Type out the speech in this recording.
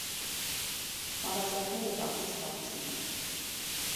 Ավազակները վախից փախչում են։